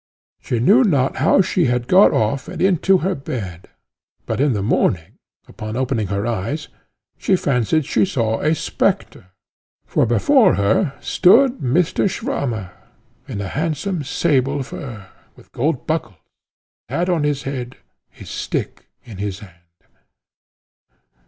She knew not how she had got off and into her bed; but in the morning, upon opening her eyes, she fancied she saw a spectre; for before her stood Mr. Swammer in a handsome sable fur, with gold buckles, his hat on his head, his stick in his hand.